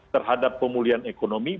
terhadap pemulihan ekonomi